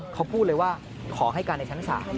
เขาพูดเลยว่าขอให้การในชั้นศาล